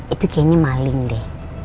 itu kayaknya maling deh